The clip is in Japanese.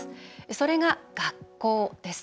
それが学校です。